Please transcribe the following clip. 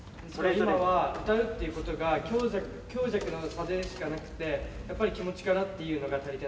今は歌うっていうことが強弱の差でしかなくてやっぱり気持ちかなっていうのが足りてないと思います。